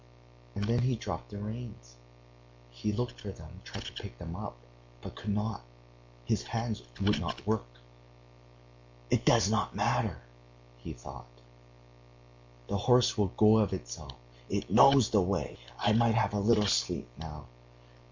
And then he dropped the reins. He looked for them, tried to pick them up, but could not his hands would not work.... "It does not matter," he thought, "the horse will go of itself, it knows the way. I might have a little sleep now....